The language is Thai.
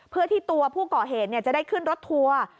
เพื่อที่ตัวผู้ก่อเหตุจะได้ขึ้นรถทัวร์